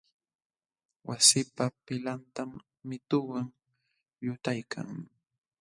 Wasipa pilqantam mituwan llutaykan.